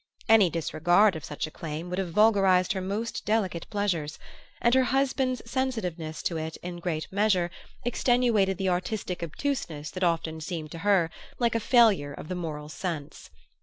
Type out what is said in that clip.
Any disregard of such a claim would have vulgarized her most delicate pleasures; and her husband's sensitiveness to it in great measure extenuated the artistic obtuseness that often seemed to her like a failure of the moral sense.